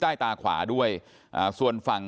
โปรดติดตามต่อไป